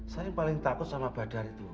saya yang paling takut sama badar itu